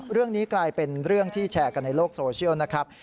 เรื่องนี้กลายเป็นเรื่องที่แชร์กันในโลกโซเชียลนะครับ